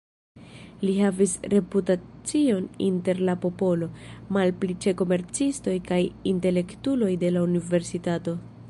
Li havis reputacion inter la popolo, malpli ĉe komercistoj kaj intelektuloj de la universitato.